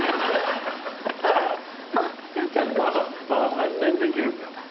あんなにできるんだ。